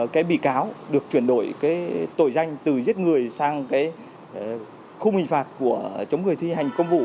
một mươi chín cái bị cáo được chuyển đổi cái tội danh từ giết người sang cái khung hình phạt của chống người thi hành công vụ